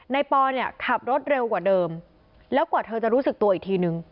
ปอเนี่ยขับรถเร็วกว่าเดิมแล้วกว่าเธอจะรู้สึกตัวอีกทีนึง